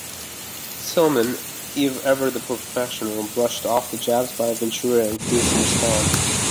Tillman, ever the professional, brushed off the jabs by Ventura and refused to respond.